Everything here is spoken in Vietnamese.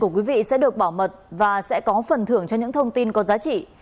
quý vị sẽ được bảo mật và sẽ có phần thưởng cho những thông tin có giá trị